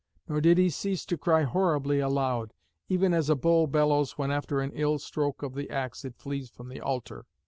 Nor did he cease to cry horribly aloud, even as a bull bellows when after an ill stroke of the axe it flees from the altar.